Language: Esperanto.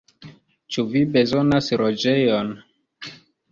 Ĉu vi bezonas loĝejon?